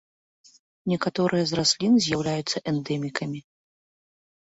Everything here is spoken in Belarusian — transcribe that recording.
Некаторыя з раслін з'яўляюцца эндэмікамі.